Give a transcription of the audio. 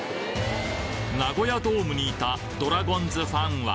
ナゴヤドームにいたドラゴンズファンは。